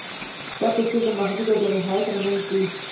دا توپیر د محدود او بې نهایت تر منځ دی.